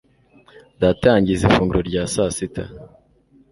data yangize ifunguro rya sasita